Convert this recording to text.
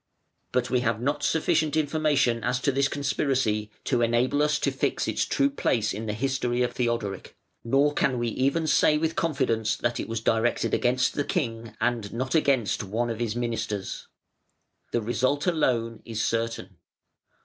But we have not sufficient information as to this conspiracy to enable us to fix its true place in the history of Theodoric, nor can we even say with confidence that it was directed against the king and not against one of his ministers. The result alone is certain.